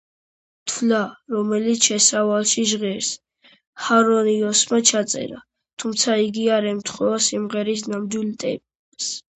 თვლა, რომელიც შესავალში ჟღერს, ჰარისონმა ჩაწერა, თუმცა იგი არ ემთხვევა სიმღერის ნამდვილ ტემპს.